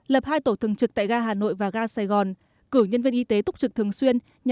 lập hai tổ thường trực tại ga hà nội và ga sài gòn